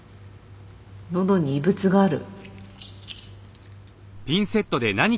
のどに異物がある。